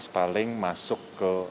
sepaling masuk ke